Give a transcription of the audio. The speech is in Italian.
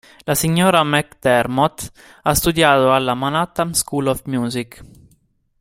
La signora McDermott ha studiato alla Manhattan School of Music.